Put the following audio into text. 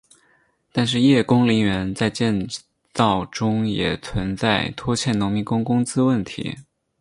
但是叶公陵园在建造中也存在拖欠农民工工资问题。